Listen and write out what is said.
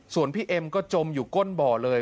ส่วนพี่เอ็มก็จมอยู่ก้นบ่อเลย